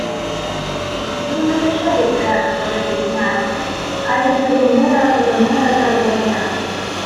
— Йду не лише від себе, Великий княже, а й від Велімира, Тодомира та Видимира...